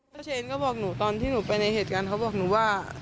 เชนก็บอกหนูตอนที่หนูไปในเหตุการณ์เขาบอกหนูว่า